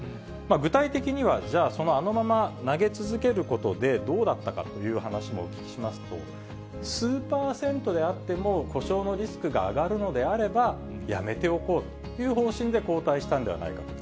具体的には、じゃあ、あのまま投げ続けることで、どうだったかという話もお聞きしますと、数％であっても、故障のリスクが上がるのであれば、やめておこうという方針で、交代したんじゃないかと。